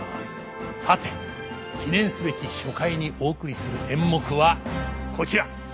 さて記念すべき初回にお送りする演目はこちら！